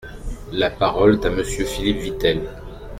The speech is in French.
La parole est à Monsieur Philippe Vitel.